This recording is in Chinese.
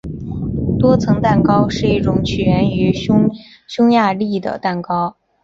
多层蛋糕是一种起源于匈牙利的蛋糕。